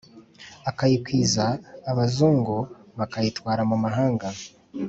Akayikwiza abazungu bakayatwara mu mahanga